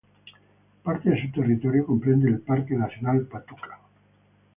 Parte de su territorio comprende el Parque Nacional Patuca.